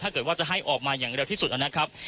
ถ้าเกิดว่าจะให้ออกมาอย่างเร็วที่สุดนะครับ